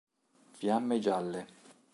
Fiamme Gialle.